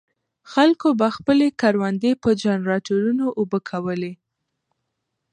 خلکو به خپلې کروندې په جنراټورونو اوبه کولې.